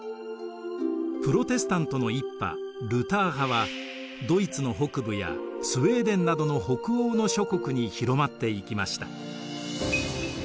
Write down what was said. プロテスタントの一派ルター派はドイツの北部やスウェーデンなどの北欧の諸国に広まっていきました。